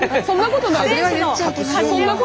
そんなことないですよ。